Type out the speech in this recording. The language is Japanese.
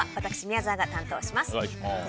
今日は私、宮澤が担当します。